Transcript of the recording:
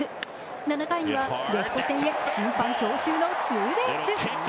７回にはレフト線へ審判強襲のツーベース。